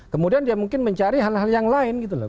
kemudian dia mungkin mencari hal hal yang lain gitu loh